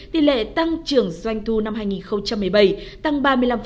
tỷ lệ tăng trưởng doanh thu năm hai nghìn một mươi bảy tăng ba mươi năm